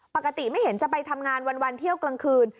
ปกติไม่เห็นจะไปทำงานวันเที่ยวกลางคืน